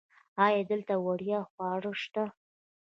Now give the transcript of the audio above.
ایا دلته وړیا خواړه شته؟